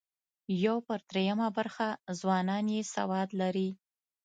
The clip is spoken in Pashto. یو پر درېیمه برخه ځوانان یې سواد لري.